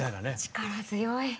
力強い。